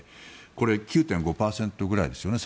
これ、９．５％ぐらいですよね